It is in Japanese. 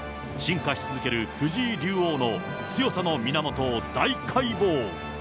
進化し続ける藤井竜王の強さの源を大解剖。